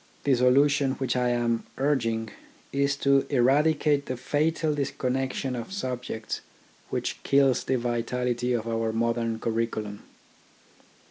The solution which I am urging, is to eradicate the fatal disconnection of subjects which kills the vitality of our modern curriculum.